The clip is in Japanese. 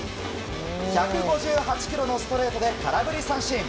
１５８キロのストレートで空振り三振。